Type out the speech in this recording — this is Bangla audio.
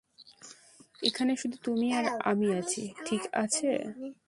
এখানে শুধু তুমি আর আমি আছি, ঠিক আছে?